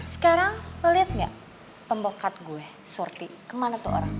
sekarang lo liat gak pembawa kartu gue surty kemana tuh orang